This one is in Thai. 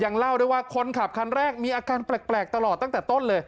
เล่าด้วยว่าคนขับคันแรกมีอาการแปลกตลอดตั้งแต่ต้นเลย